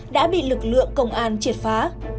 đã bị lực lượng công an triệt phá